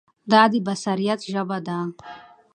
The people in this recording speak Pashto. دا د بصیرت ژبه ده.